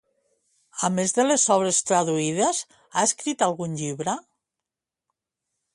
A més de les obres traduïdes, ha escrit algun llibre?